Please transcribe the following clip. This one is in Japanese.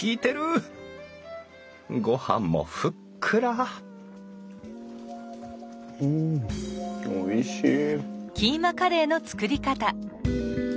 ごはんもふっくらうんおいしい。